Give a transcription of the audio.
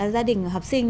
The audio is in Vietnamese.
gia đình học sinh